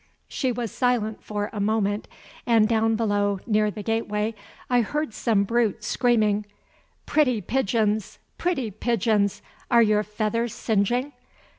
She was silent for a moment, and down below, near the gateway, I heard some brute screaming, "Pretty pigeons! Pretty pigeons, are your feathers singeing?